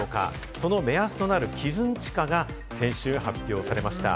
その目安となる基準地価が先週発表されました。